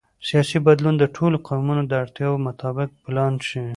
سیاسي بدلون د ټولو قومونو د اړتیاوو مطابق پلان شي